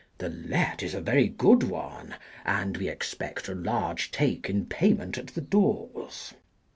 The Let is a very good one, and we expect a large Take in payment at the doors.